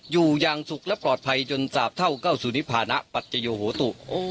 อยู่อย่างสุขและปลอดภัยจนสาบเท่าเข้าสู่นิพานะปัจโยโหตุ